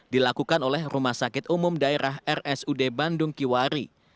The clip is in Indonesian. dilakukan oleh rumah sakit umum daerah rsud bandung kiwari